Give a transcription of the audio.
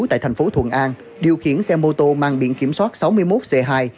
tại tp thuận an điều khiển xe mô tô mang biện kiểm soát sáu mươi một c hai hai nghìn một trăm linh năm